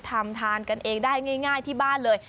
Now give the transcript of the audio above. ทำทานกันเองได้ง่ายที่บ้านเลย